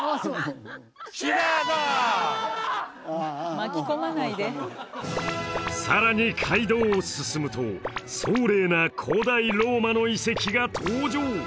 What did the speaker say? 巻き込まないでさらに街道を進むと壮麗な古代ローマの遺跡が登場